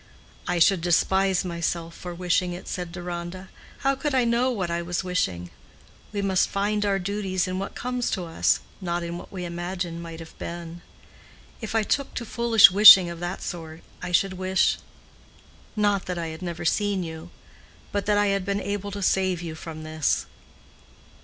"I should despise myself for wishing it," said Deronda. "How could I know what I was wishing? We must find our duties in what comes to us, not in what we imagine might have been. If I took to foolish wishing of that sort, I should wish—not that I had never seen you, but that I had been able to save you from this."